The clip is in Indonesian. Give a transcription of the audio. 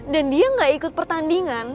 dan dia gak ikut pertandingan